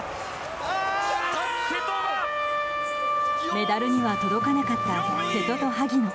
メダルには届かなった瀬戸と萩野。